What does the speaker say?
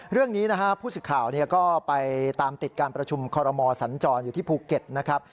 เรื่องนี้นะฮะผู้สิทธิ์ข่าวก็ไปตามติดการประชุมคอรมอสัญจรอยู่ที่ภูเก็ตนะครับ